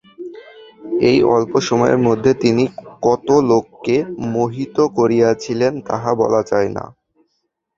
এই অল্প সময়ের মধ্যে তিনি কত লোককে মোহিত করিয়াছিলেন, তাহা বলা যায় না।